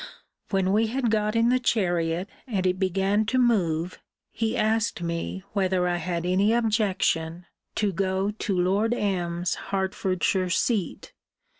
When we had got in the chariot, and it began to move, he asked me, whether I had any objection to go to Lord M.'s Hertfordshire seat?